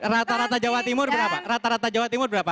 rata rata jawa timur berapa